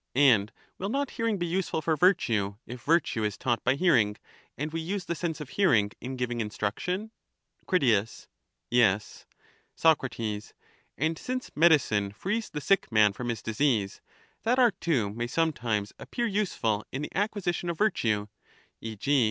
And will not hearing be useful for virtue, if virtue is taught by hearing and we use the sense of hearing in giving instruction? Crit. Yes. Soc. And since medicine frees the sick man from his disease, that art too may sometimes appear useful in the acquisition of virtue, e. g.